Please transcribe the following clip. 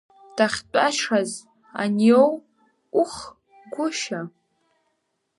Дахьтәашаз аниоу, ух, гәышьа!